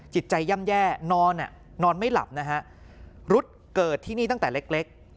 จิตใจย่ำแย่นอนนอนไม่หลับนะฮะรุ๊ดเกิดที่นี่ตั้งแต่เล็ก